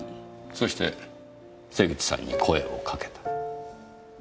そして瀬口さんに声をかけた。